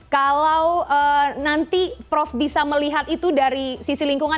kalau nanti prof bisa melihat itu dari sisi lingkungan